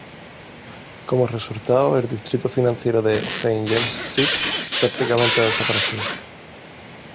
Como resultado, el distrito financiero de Saint James Street prácticamente ha desaparecido.